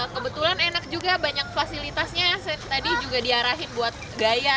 kebetulan enak juga banyak fasilitasnya tadi juga diarahin buat gaya